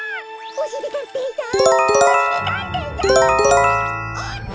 おしりたんていさん！